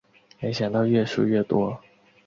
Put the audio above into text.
没想到越输越多